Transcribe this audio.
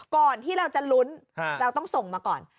ก่อนที่เราจะลุ้นเราต้องส่งมาก่อน